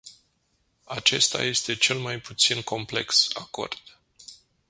Acesta este cel mai puțin complex acord.